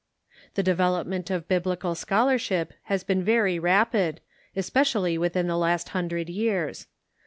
The development of Biblical scholarship has been very rapid, especially within the last hundred years.